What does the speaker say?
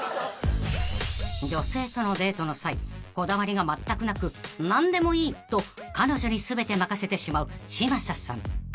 ［女性とのデートの際こだわりがまったくなく何でもいいと彼女に全て任せてしまう嶋佐さん］